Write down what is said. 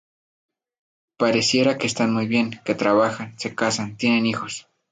Pareciera que están muy bien, que trabajan, se casan, tienen hijos.